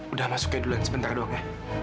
udah masuk ya duluan sebentar doang ya